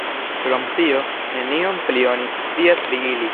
Krom tio, nenion pli oni scias pri ili.